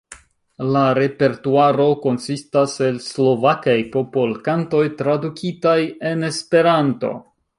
La repertuaro konsistas el Slovakaj popolkantoj tradukitaj en Esperanto.